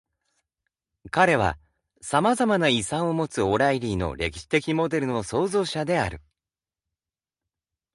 彼は、さまざまな遺産を持つオライリーの歴史的モデルの創造者である。